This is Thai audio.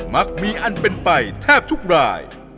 มักมีอันเป็นไปแทบทุกราย